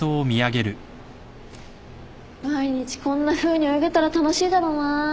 毎日こんなふうに泳げたら楽しいだろうな。